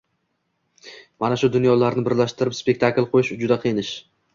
Mana shu dunyolarni birlashtirib spektakl qo‘yish juda qiyin ish